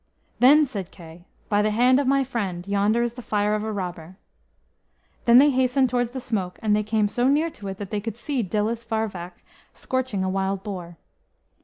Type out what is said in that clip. Then said Kay, "By the hand of my friend, yonder is the fire of a robber." Then they hastened towards the smoke, and they came so near to it that they could see Dillus Varwawc scorching a wild boar.